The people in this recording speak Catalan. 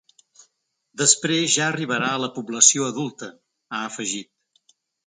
“Després, ja arribarà a la població adulta”, ha afegit.